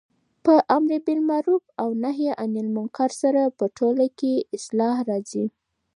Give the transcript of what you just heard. په امرباالمعرف او نهي عن المنکر سره په ټوله کي اصلاح راځي